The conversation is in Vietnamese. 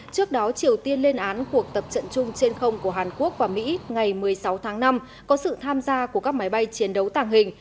trước đó triều tiên lên án cuộc tập trận chung trên không của hàn quốc và mỹ ngày một mươi sáu tháng năm có sự tham gia của các máy bay chiến đấu tàng hình